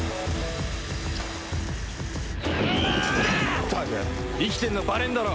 ったく生きてんのバレんだろ！